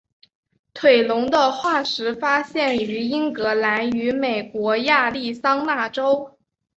腿龙的化石发现于英格兰与美国亚利桑那州。